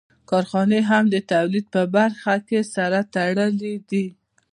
کارخانې هم د تولید په برخه کې سره تړلې دي